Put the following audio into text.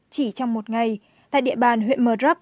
chỉ trong một ngày tại địa bàn huyện mờ rắc